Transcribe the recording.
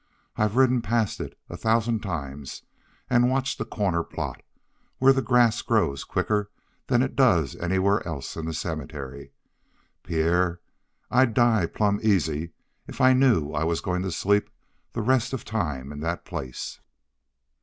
I've ridden past it a thousand times an' watched a corner plot, where the grass grows quicker than it does anywheres else in the cemetery. Pierre, I'd die plumb easy if I knew I was goin' to sleep the rest of time in that place."